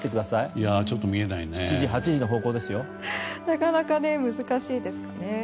なかなか難しいですね。